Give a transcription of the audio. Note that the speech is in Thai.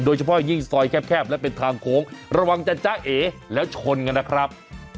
โดยเฉพาะยิ่งซอยแคบและเป็นทางโค้งระวังจะจ้าเอแล้วชนกันนะครับ